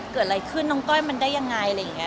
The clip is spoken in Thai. เกิดอะไรขึ้นน้องก้อยมันได้ยังไงอะไรอย่างนี้